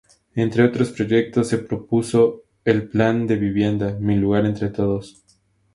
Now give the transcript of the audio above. Entre otros proyectos, se propuso el plan de vivienda "Mi lugar, entre todos".